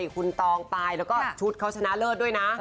คุณตองปายแล้วก็ชุดเขาชนะเลิศด้วยนะ